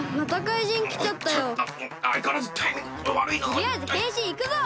とりあえずへんしんいくぞ！